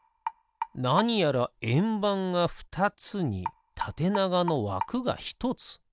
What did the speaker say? なにやらえんばんがふたつにたてながのわくがひとつ。